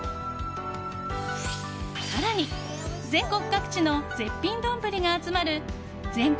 更に、全国各地の絶品丼が集まる全国